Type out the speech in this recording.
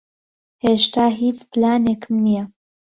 ھێشتا ھیچ پلانێکم نییە.